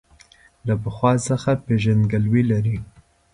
له پخوا څخه پېژندګلوي لري.